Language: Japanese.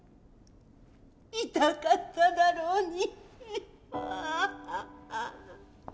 痛かっただろうに。